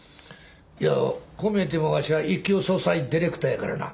いやこう見えてもわしは一級葬祭ディレクターやからな。